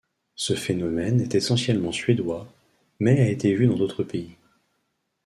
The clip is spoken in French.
Ce phénomène est essentiellement suédois, mais a été vu dans d'autres pays.